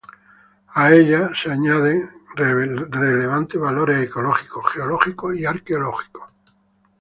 A ello se añaden relevantes valores ecológicos, geológicos y arqueológicos.